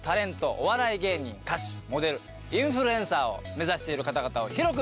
お笑い芸人歌手モデルインフルエンサーを目指している方々を広く募集しております。